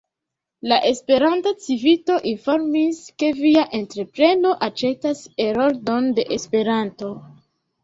La Esperanta Civito informis, ke via entrepreno aĉetas Heroldon de Esperanto.